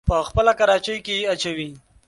په خپله کراچۍ کې يې اچوي.